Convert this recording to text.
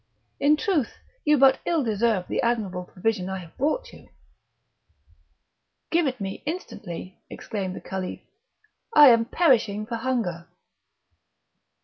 In truth you but ill deserve the admirable provision I have brought you." "Give it me instantly," exclaimed the Caliph; "I am perishing for hunger!"